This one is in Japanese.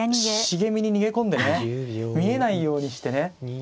茂みに逃げ込んでね見えないようにしてね。